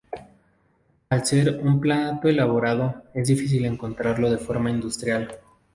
Al ser un plato elaborado, es difícil encontrarlo de forma industrial.